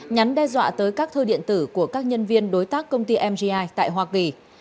nhắn đe dọa tới các thư điện tử của các nhân viên đối tác công ty mgi tại hoa kỳ